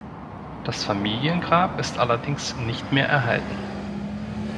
Das Familiengrab ist allerdings nicht mehr erhalten.